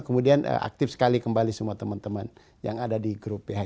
kemudian aktif sekali kembali semua teman teman yang ada di grup